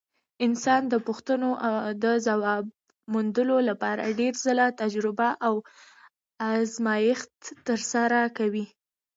انسان د پوښتنو د ځواب موندلو لپاره ډېر ځله تجربه او ازمېښت ترسره کوي.